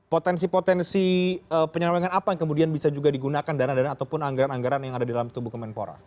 potensi potensi penyelewengan apa yang kemudian bisa juga digunakan dana dana ataupun anggaran anggaran yang ada di dalam tubuh kemenpora